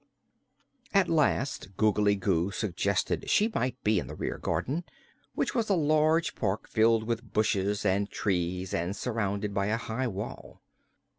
At last Googly Goo suggested she might be in the rear garden, which was a large park filled with bushes and trees and surrounded by a high wall.